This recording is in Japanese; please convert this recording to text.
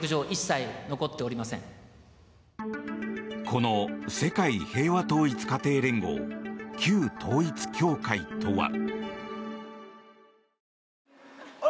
この世界平和統一家庭連合旧統一教会とは。